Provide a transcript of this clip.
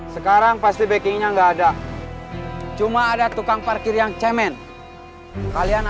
saya datangnya terlambat